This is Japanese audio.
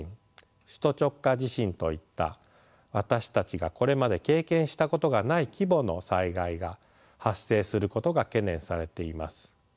首都直下地震といった私たちがこれまで経験したことがない規模の災害が発生することが懸念されています。